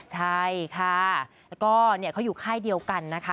ใช่ค่ะแล้วก็เขาอยู่ค่ายเดียวกันนะคะ